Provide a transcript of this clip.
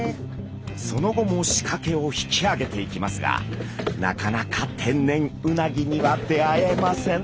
その後も仕掛けを引き上げていきますがなかなか天然うなぎには出会えません。